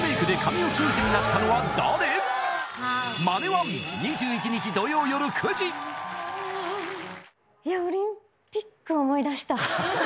オリンピック思い出した。